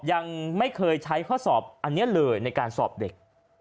ยังไม่เคยใช้ข้อสอบอันนี้เลยในการสอบเด็ก